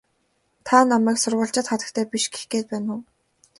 Та намайг сурвалжит хатагтай биш гэх гээд байна уу?